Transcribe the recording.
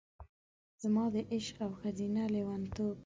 زما د عشق او ښځینه لیونتوب،